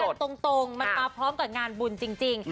ตรงมันมาพร้อมกับงานบุญจริง